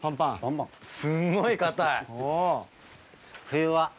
すんごい硬い。